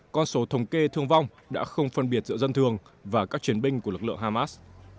con số thống kê thương vong đã không phân biệt giữa dân thường và các chiến binh của lực lượng hamas